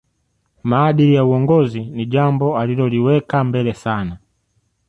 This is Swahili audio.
Maadili ya uongozi ni jambo aliloliweka mbele sana